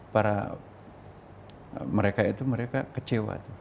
para mereka itu mereka kecewa